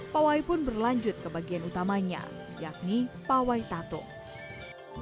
pawai pun berlanjut ke bagian utamanya yakni pawai tatung